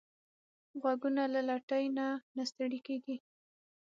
غوږونه له لټۍ نه نه ستړي کېږي